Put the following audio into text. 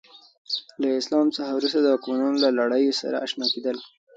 له اسلام څخه وروسته د واکمنانو له لړیو سره اشنا کېدل.